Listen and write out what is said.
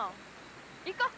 行こう。